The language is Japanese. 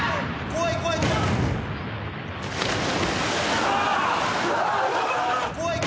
怖い怖い。